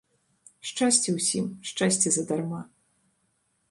Шчасце ўсім, шчасце задарма.